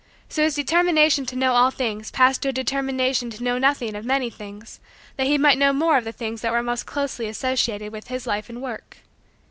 So his determination to know all things passed to a determination to know nothing of many things that he might know more of the things that were most closely associated with his life and work.